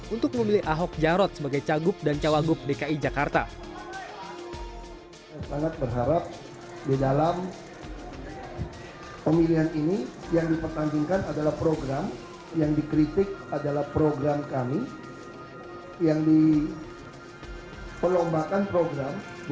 untuk memilih ahok jarot sebagai cagup dan cawagup dki jakarta